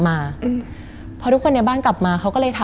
มันกลายเป็นรูปของคนที่กำลังขโมยคิ้วแล้วก็ร้องไห้อยู่